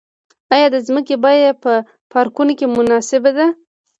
آیا د ځمکې بیه په پارکونو کې مناسبه ده؟